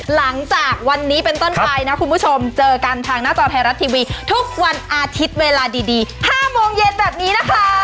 หลังจากวันนี้เป็นต้นไปนะคุณผู้ชมเจอกันทางหน้าจอไทยรัฐทีวีทุกวันอาทิตย์เวลาดี๕โมงเย็นแบบนี้นะคะ